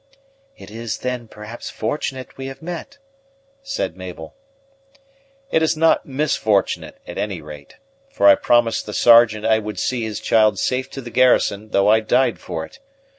"It is, then, perhaps, fortunate we have met," said Mabel. "It is not misfortunate, at any rate; for I promised the Sergeant I would see his child safe to the garrison, though I died for it.